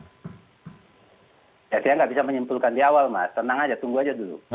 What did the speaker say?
ya saya tidak bisa menyimpulkan di awal mas tenang saja tunggu saja dulu